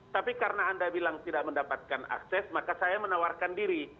tapi karena anda bilang tidak mendapatkan akses maka saya menawarkan diri